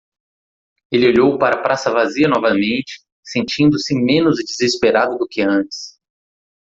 Ele olhou para a praça vazia novamente, sentindo-se menos desesperado do que antes.